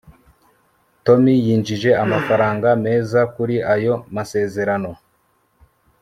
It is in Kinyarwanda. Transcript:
tom yinjije amafaranga meza kuri ayo masezerano